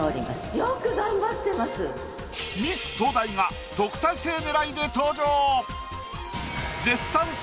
ミス東大が特待生狙いで登場！